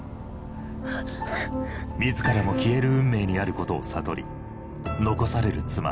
自らも消える運命にあることを悟り残される妻